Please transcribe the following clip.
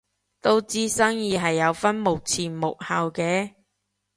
都知生意係有分幕前幕後嘅